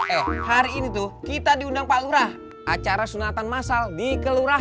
ayo hari ini tuh kita diundang pak lurah acara sunatan masal di kelurahan